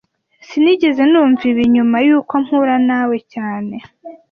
Sinigeze numva ibi nyuma yuko mpura nawe cyane